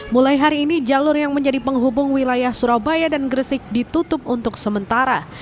mulai hari ini jalur yang menjadi penghubung wilayah surabaya dan gresik ditutup untuk sementara